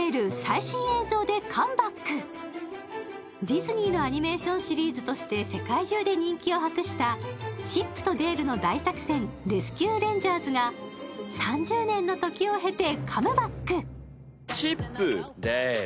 ディズニーのアニメーションシリーズとして世界中で人気を博した「チップとデールの大作戦レスキュー・レンジャーズ」が３０年の時を経てカムバック。